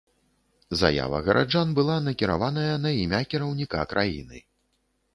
Заява гараджан была накіраваная на імя кіраўніка краіны.